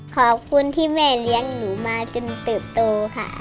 ขอบคุณที่แม่เลี้ยงหนูมาจนเติบโตค่ะ